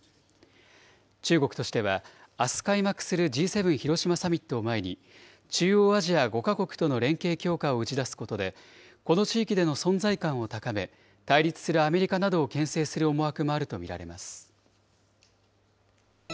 中国としては、あす開幕するＧ７広島サミットを前に、中央アジア５か国との連携強化を打ち出すことで、この地域での存在感を高め、対立するアメリカなどをけん制する思惑もあると見られます。